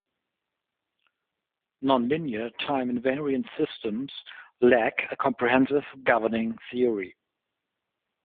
Nonlinear time-invariant systems lack a comprehensive, governing theory.